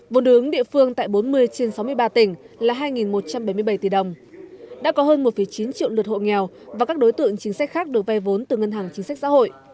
vốn đứng ứng địa phương tại bốn mươi trên sáu mươi ba tỉnh là hai một trăm bảy mươi bảy tỷ đồng đã có hơn một chín triệu lượt hộ nghèo và các đối tượng chính sách khác được vay vốn từ ngân hàng chính sách xã hội